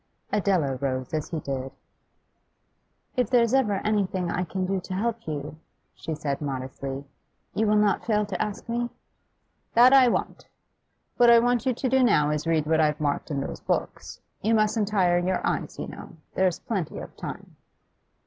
Adela rose as he did. 'If there's ever anything I can do to help you,' she said modestly, 'you will not fail to ask me?' 'That I won't What I want you to do now is to read what I've marked in those books. You mustn't tire your eyes, you know; there's plenty of time.